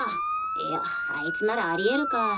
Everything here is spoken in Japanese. いやあいつならあり得るか。